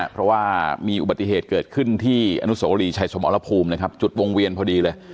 เพราะว่ามีอุบัติเหตุเกิดขึ้นที่อนุสวรีชัยสมรภูมินะครับจุดวงเวียนพอดีเลย